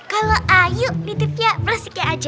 kalau ayu nitipnya plastiknya aja